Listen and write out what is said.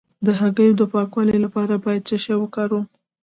د هګیو د پاکوالي لپاره باید څه شی وکاروم؟